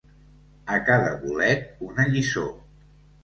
A cada bolet, una lliçó.